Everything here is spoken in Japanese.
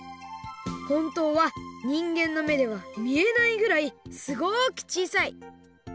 ほんとうはにんげんのめではみえないぐらいすごくちいさい！